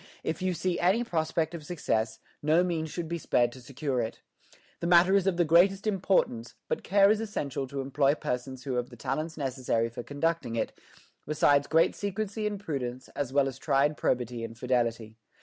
If you see any prospect of success, no means should be spared to secure it. The matter is of the greatest importance, but care is essential to employ persons who have the talents necessary for conducting it, besides great secrecy and prudence, as well as tried probity and fidelity.